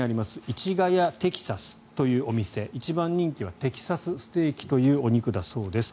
市ヶ谷テキサスというお店一番人気はＴＥＸＡＳステーキというお肉だそうです。